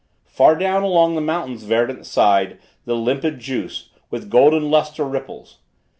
Far down along the mountain's verdant side, The limpid juice, with golden lustre, ripples.